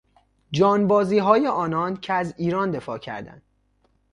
جانبازیهای آنان که از ایران دفاع کردند